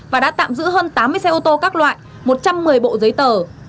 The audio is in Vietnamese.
và đã tạm giữ hơn tám mươi xe ô tô các loại một trăm một mươi bộ giấy tờ